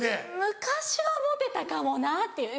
昔はモテたかもなっていう。